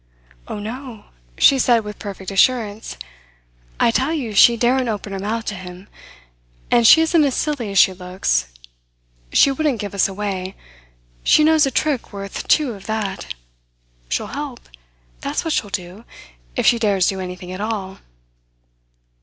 "Oh, no," she said with perfect assurance. "I tell you she daren't open her mouth to him. And she isn't as silly as she looks. She wouldn't give us away. She knows a trick worth two of that. She'll help that's what she'll do, if she dares do anything at all."